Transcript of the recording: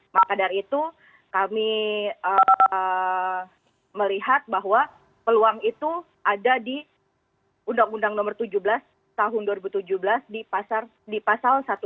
maka dari itu kami melihat bahwa peluang itu ada di undang undang nomor tujuh belas tahun dua ribu tujuh belas di pasal satu ratus enam puluh